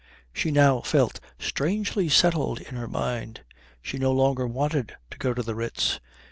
She now felt strangely settled in her mind. She no longer wanted to go to the Ritz.